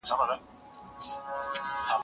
ژوند تل د نویو هیلو او زړو خاطرو یو ښکلی ترکیب وي.